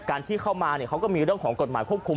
ที่เข้ามาเขาก็มีเรื่องของกฎหมายควบคุม